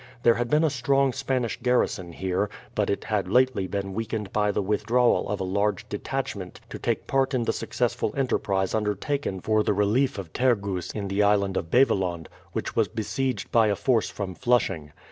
There had been a strong Spanish garrison here, but it had lately been weakened by the withdrawal of a large detachment to take part in the successful enterprise undertaken for the relief of Tergoes in the Island of Beveland, which was besieged by a force from Flushing.